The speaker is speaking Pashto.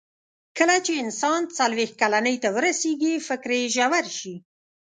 کله چې انسان څلوېښت کلنۍ ته ورسیږي، فکر یې ژور شي.